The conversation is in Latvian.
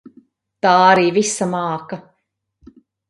Tā arī visa māka.